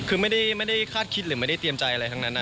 คือไม่ได้คาดคิดหรือไม่ได้เตรียมใจอะไรทั้งนั้น